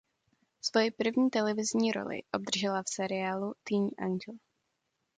Svoji první televizní roli obdržela v seriálu "Teen Angel".